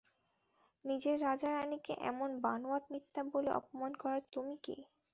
নিজের রাজা-রাণীকে এমন বানোয়াট মিথ্যা বলে অপমান করার তুমি কে?